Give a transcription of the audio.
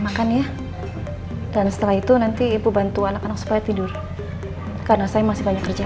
makan ya dan setelah itu nanti ibu bantu anak anak supaya tidur karena saya masih banyak kerja